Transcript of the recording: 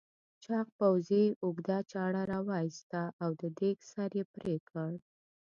چاغ پوځي اوږده چاړه راوایسته او دېگ سر یې پرې کړ.